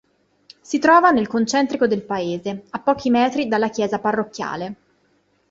Si trova nel concentrico del paese, a pochi metri dalla chiesa parrocchiale.